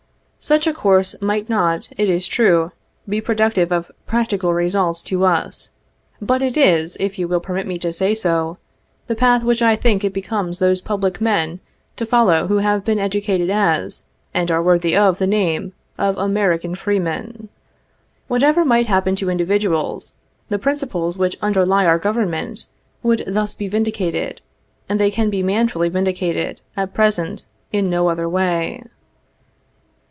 Such a course might not, it is true, be productive of practical results to us, but it is, if you will permit me to say so, the path which I think it becomes those public men to follow who have been educated as, and are worthy of the name of American freemen. Whatever might happen to individuals, the principles which under lie our Government, would thus be vindicated, and they can be manfully vindicated, at present, in no other way.